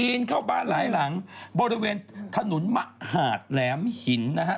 นเข้าบ้านหลายหลังบริเวณถนนมหาดแหลมหินนะฮะ